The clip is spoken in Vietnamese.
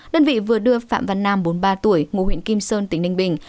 đơn vị vừa đưa phạm văn nam bốn mươi ba tuổi ngụ huyện kim sơn tỉnh ninh bình